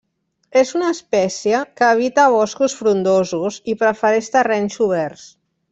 És una espècie que evita boscos frondosos i prefereix terrenys oberts.